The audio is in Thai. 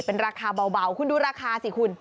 เป็นราคาเบาคุณดูราคาสิคุณ